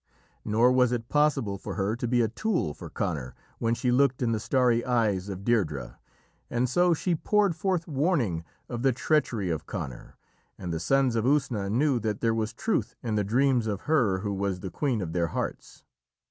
Nor was it possible for her to be a tool for Conor when she looked in the starry eyes of Deirdrê, and so she poured forth warning of the treachery of Conor, and the Sons of Usna knew that there was truth in the dreams of her who was the queen of their hearts.